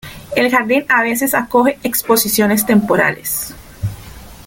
El Jardín a veces acoge exposiciones temporales.